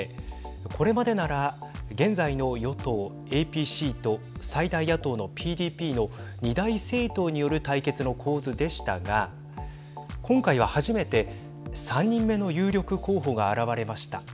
これまでなら現在の与党ＡＰＣと最大野党のＰＤＰの二大政党による対決の構図でしたが今回は初めて３人目の有力候補が現れました。